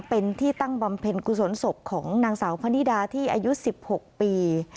เป็นที่ตั้งบำเพ็ญกุศลศพของนางสาวพนิดาที่อายุ๑๖ปี